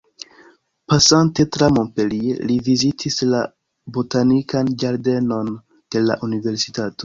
Pasante tra Montpellier, li vizitis la botanikan ĝardenon de la Universitato.